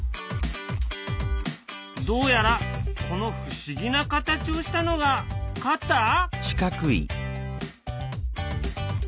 どうやらこの不思議な形をしたのがカッター？